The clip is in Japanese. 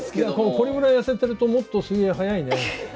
これぐらい痩せてるともっと水泳速いね。